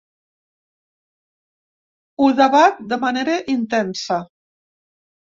Ho debat de manera intensa.